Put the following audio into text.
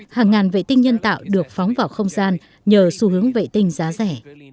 hàng ngàn vệ tinh nhân tạo được phóng vào không gian nhờ xu hướng vệ tinh giá rẻ